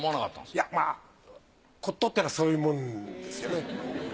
いやまぁ骨董ってのはそういうもんですよね。